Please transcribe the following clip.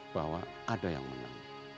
bahwa ada yang menang